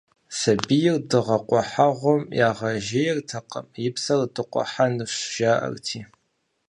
Сабийр дыгъэ къухьэгъуэм ягъэжейртэкъым, и псэр дыкъухьэнущ, жаӀэрти.